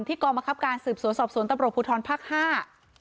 ที่กรมกรับการสืบสะสอบสวนตำรวจภูทรภักดีห้า